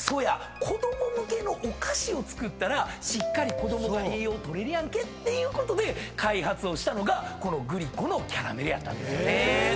子供向けのお菓子を作ったらしっかり子供が栄養取れるやんけっていうことで開発をしたのがこのグリコのキャラメルやったんですよね。